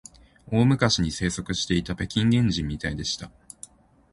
大昔に生息していた北京原人みたいでした